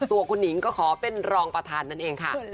ตัวคุณหนิงก็ขอเป็นรองประธานนั่นเองค่ะ